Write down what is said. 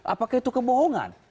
apakah itu kebohongan